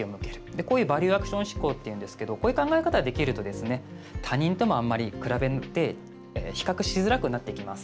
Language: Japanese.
これをバリューアクション思考というんですがこういう考え方をできると他人ともあまり比較しづらくなってきます。